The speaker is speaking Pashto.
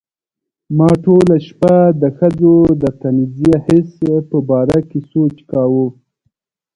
ما ټوله شپه د ښځو د طنزیه حس په باره کې سوچ کاوه.